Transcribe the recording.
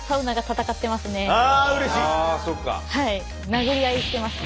殴り合いしてます。